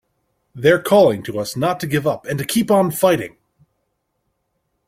They're calling to us not to give up and to keep on fighting!